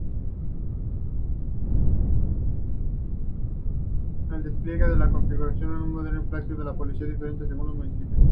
El despliegue ha configurado un modelo de implantación policial diferente según los municipios.